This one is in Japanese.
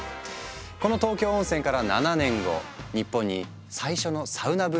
この東京温泉から７年後日本に最初のサウナブームがやってくる。